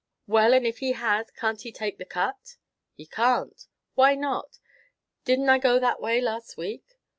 "Well, and if he has, can't he take the cut?" "He can't." "Why not? Did n't I go that way last week?"